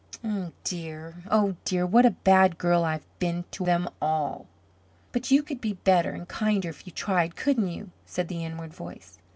Oh, dear, oh, dear. What a bad girl I've been to them all." "But you could be better and kinder if you tried, couldn't you?" said the inward voice.